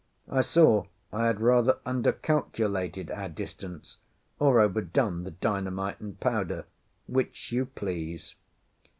I saw I had rather undercalculated our distance, or over done the dynamite and powder, which you please.